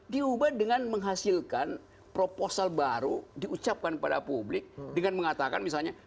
diubah dengan menghasilkan proposal baru diucapkan pada publik dengan mengatakan misalnya